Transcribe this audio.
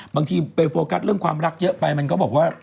บางทีไปโฟกัสเรื่องความรักเยอะไปมันก็บอกว่า